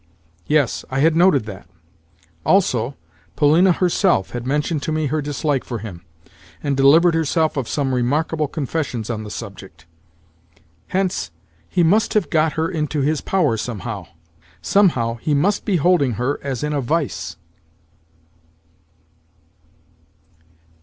Yes, I had noted that. Also, Polina herself had mentioned to me her dislike for him, and delivered herself of some remarkable confessions on the subject. Hence, he must have got her into his power somehow—somehow he must be holding her as in a vice.